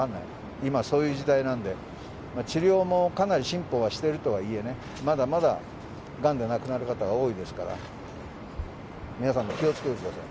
今、そういう時代なんで、治療もかなり進歩はしているとはいえ、まだまだがんで亡くなる方は多いですから、皆さんも気をつけてください。